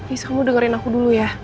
is kamu dengerin aku dulu ya